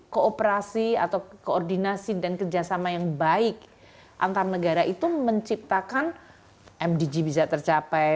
kooperasi atau koordinasi dan kerjasama yang baik antar negara itu menciptakan mdg bisa tercapai